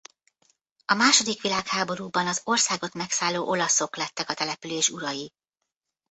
A második világháborúban az országot megszálló olaszok lettek a település urai.